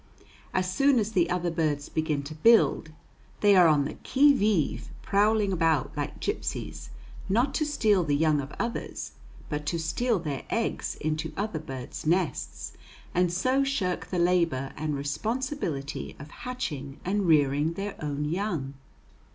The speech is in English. As soon as the other birds begin to build, they are on the qui vive, prowling about like gypsies, not to steal the young of others, but to steal their eggs into other birds' nests, and so shirk the labor and responsibility of hatching and rearing their own young.